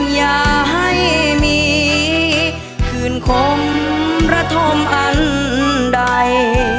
อย่าให้มีคืนคมระธมอันใด